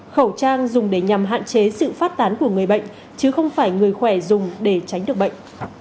khẩu trang dùng để nhằm hạn chế sự phát tán của người bệnh chứ không phải người khỏe dùng để tránh được bệnh